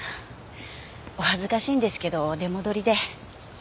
お恥ずかしいんですけど出戻りで。